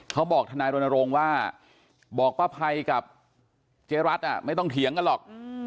เขาบอกธนายโรนโรงว่าบอกว่าไพกับเจ๊รักษ์นะไม่ต้องเถียงก่อนหรอก